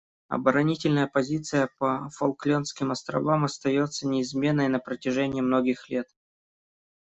Оборонительная позиция по Фолклендским островам остается неизменной на протяжении многих лет.